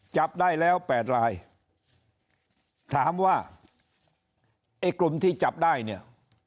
จับได้แล้วแปดรายถามว่าไอ้กลุ่มที่จับได้เนี่ย